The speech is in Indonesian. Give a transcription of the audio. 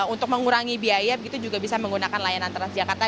untuk mengurangi biaya begitu juga bisa menggunakan layanan transjakarta